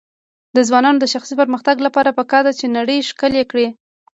د ځوانانو د شخصي پرمختګ لپاره پکار ده چې نړۍ ښکلی کړي.